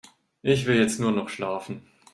Ich will jetzt nur noch schlafen.